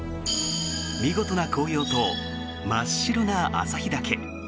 見事な紅葉と真っ白な旭岳。